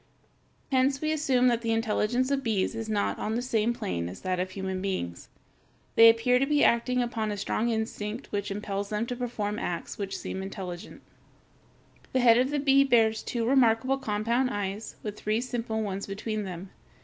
Hence we assume that the intelligence of bees is not on the same plane as that of human beings. They appear to be acting upon a strong instinct which impels them to perform acts which seem intelligent. [Illustration: FIG. 248. The head of a bee.] The head of the bee bears two remarkable compound eyes, with three simple ones between them.